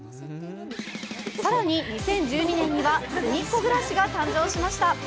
更に、２０１２年には、すみっコぐらしが誕生しました。